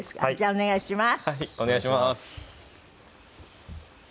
お願いします。